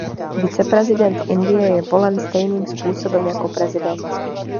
Viceprezident Indie je volen stejným způsoben jako prezident.